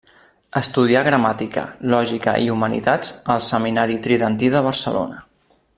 Estudià gramàtica, lògica i humanitats al Seminari Tridentí de Barcelona.